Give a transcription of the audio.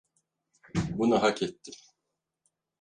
Bunu hak ettim.